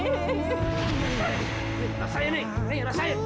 nih rasain nih rasain